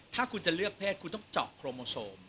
ถ้าคุณจะเลือกเพศคุณต้องเจาะโครโมโซม